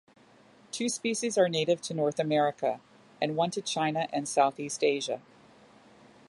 Two species are native to North America, and one to China and Southeast Asia.